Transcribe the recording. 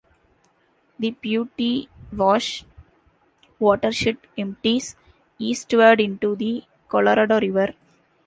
The Piute Wash Watershed empties eastward into the Colorado River.